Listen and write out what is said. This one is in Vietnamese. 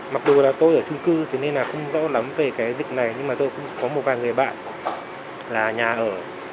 mặc dù là tôi ở trung cư thế nên là không rõ lắm về cái dịch này nhưng mà tôi cũng có một vài người bạn là nhà ở